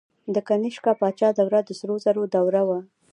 د کنیشکا پاچا دوره د سرو زرو دوره وه